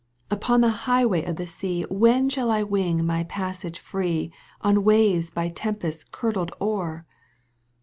Upon the highway of the sea When shall I wing my passage free On waves by tempests curdled o'er